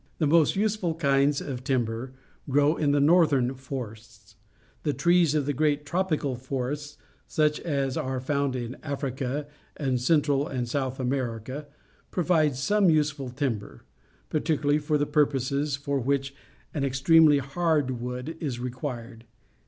The most useful kinds of timber grow in the northern forests. The trees of the great tropical forests, such as are found in Africa and Central and South America, provide some useful timber, particularly for the purposes for which an extremely hard wood is required.